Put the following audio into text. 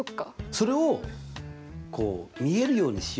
それをこう見えるようにしようと。